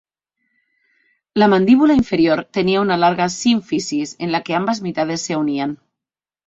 La mandíbula inferior tenía una larga sínfisis en la que ambas mitades se unían.